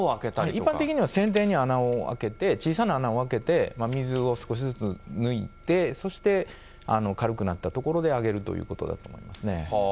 一般的には船底に穴を開けて、小さな穴を開けて、水を少しずつ抜いて、そして軽くなったところであげるということだと思いますね。